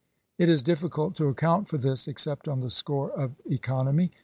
It is difficult to account for this except on the score of economy.